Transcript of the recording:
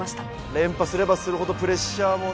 連覇すればするほどプレッシャーもね。